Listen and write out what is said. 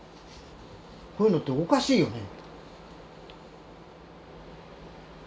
こういうのっておかしいよね。